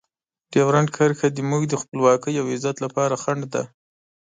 ډیورنډ کرښه زموږ د خپلواکۍ او عزت لپاره خنډ دی.